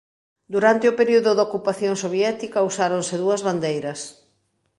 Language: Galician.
Durante o período de ocupación soviética usáronse dúas bandeiras.